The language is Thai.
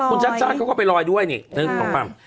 วันนี้คุณชัดเขาก็ไปลอยด้วยนี่๑๒ปั้ง